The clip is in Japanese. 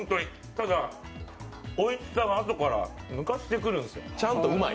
ただ、おいしさがあとから抜かしてくるんですよ。